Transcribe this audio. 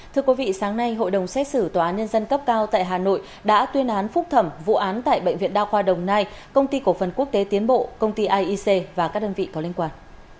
thưa quý vị sáng nay hội đồng xét xử tòa án nhân dân cấp cao tại hà nội đã tuyên án phúc thẩm vụ án tại bệnh viện đa khoa đồng nai công ty cổ phần quốc tế tiến bộ công ty aic và các đơn vị có liên quan